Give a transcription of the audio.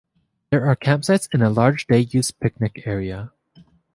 There are campsites and a large day-use picnic area.